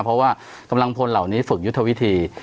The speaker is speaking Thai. เพราะว่ากำลังพลเหล่านี้ฝึกยุทธวิธี